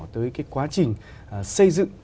tới cái quá trình xây dựng